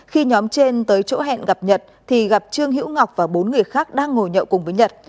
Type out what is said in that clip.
khi nhóm trên tới chỗ hẹn gặp nhật thì gặp trương hữu ngọc và bốn người khác đang ngồi nhậu cùng với nhật